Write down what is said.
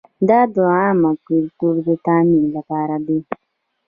دا د عامه ګټو د تامین لپاره دی.